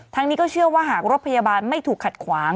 นี้ก็เชื่อว่าหากรถพยาบาลไม่ถูกขัดขวาง